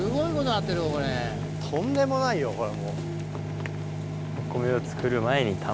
とんでもないよこれ。